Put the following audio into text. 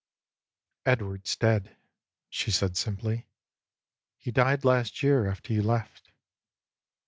" Edward's dead," she said simply. " He died last year, after you left."